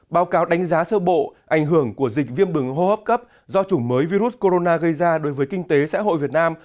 báo cáo đánh giá sơ bộ ảnh hưởng của dịch viêm bừng hô hấp cấp do chủng mới virus corona gây ra đối với kinh tế xã hội việt nam